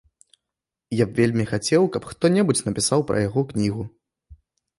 Я б вельмі хацеў, каб хто-небудзь напісаў пра яго кнігу.